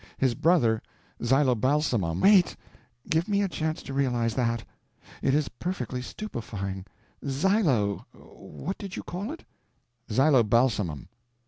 His brother, Zylobalsamum—" "Wait—give me a chance to realize that. It is perfectly stupefying. Zylo—what did you call it?" "Zylobalsamum."